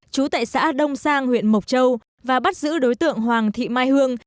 chú tại xã đông sang huyện mộc châu và bắt giữ đối tượng hoàng thị mai hương